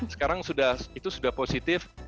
sekarang itu sudah positif